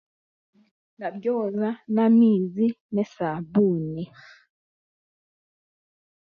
Ndabyoza n'amaizi n'esaabuuni